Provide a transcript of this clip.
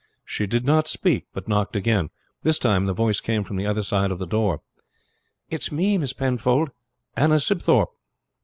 She did not speak, but knocked again. This time the voice came from the other side of the door. "It is me, Miss Penfold Anna Sibthorpe."